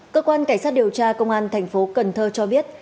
cơ quan cảnh sát điều tra công an tp cần thơ cho biết